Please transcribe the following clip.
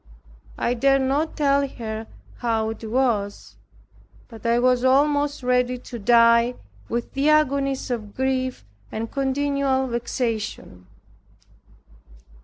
I dared not tell her how it was; but I was almost ready to die with the agonies of grief and continual vexation.